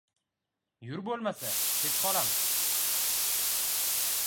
— Yur, bo‘lmasa kech qolamiz.